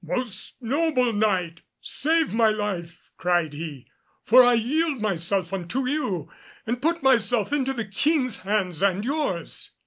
"Most noble Knight, save my life," cried he, "for I yield myself unto you, and put myself into the King's hands and yours."